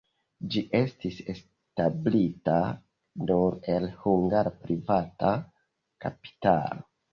Ĝi estis establita nur el hungara privata kapitalo.